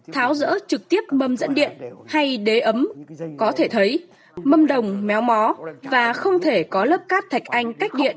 tháo rỡ trực tiếp mâm dẫn điện hay đế ấm có thể thấy mâm đồng méo mó và không thể có lớp cát thạch anh cách điện